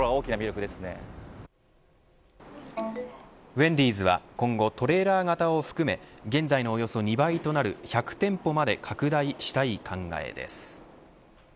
ウェンディーズは今後トレーラー型を含め現在のおよそ２倍となる１００店舗まで拡大したい考えです。